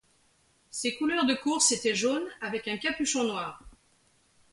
Ses couleurs de courses étaient jaunes, avec un capuchon noir.